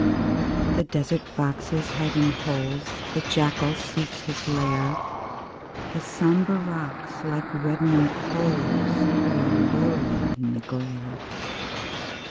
The desert foxes hide in holes, The jackal seeks his lair; The sombre rocks, like reddening coals, Glow lurid in the glare.